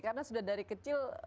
karena sudah dari kecil